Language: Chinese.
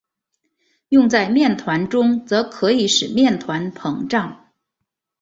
用在面团中则可以使面团膨胀。